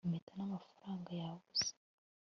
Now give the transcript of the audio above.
impeta n'amafaranga yabuze